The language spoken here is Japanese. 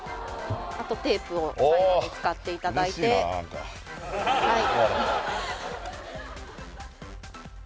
あとテープを最後に使っていただいてはい！